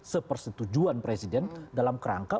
sepersetujuan presiden dalam kerangka